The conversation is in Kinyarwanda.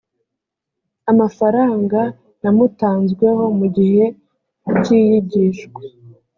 amafaranga yamutanzweho mu gihe cy iyigishwa